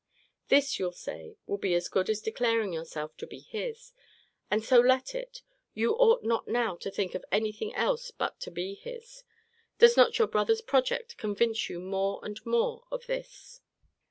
This, you'll say, will be as good as declaring yourself to be his. And so let it. You ought not now to think of any thing else but to be his. Does not your brother's project convince you more and more of this?